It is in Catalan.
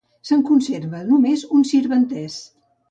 Se'n conserva només un sirventès.